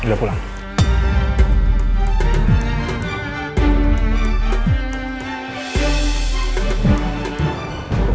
masih k evacuation